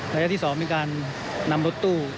ระยะที่๒มีการนำรถตู้